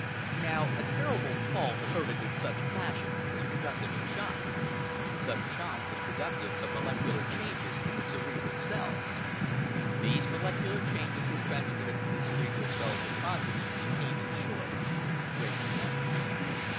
Now a terrible fall, averted in such fashion, was productive of shock. Such shock was productive of molecular changes in the cerebral cells. These molecular changes were transmitted to the cerebral cells of progeny, became, in short, racial memories.